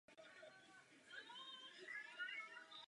Název okresu v arabštině znamená "oázy".